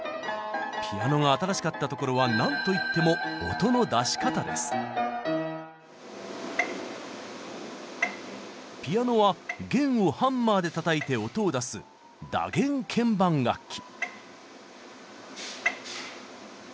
ピアノが新しかったところはなんといってもピアノは弦をハンマーでたたいて音を出す打弦鍵盤楽器。